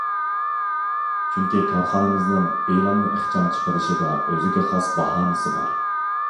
چۈنكى كارخانىمىزنىڭ ئېلاننى ئىخچام چىقىرىشىدا ئۆزىگە خاس باھانىسى بار.